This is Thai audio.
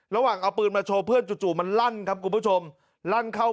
ระหว่างเอาปืนมาโชว์เพื่อนจู่มันลั่นครับคุณผู้ชมลั่นเข้า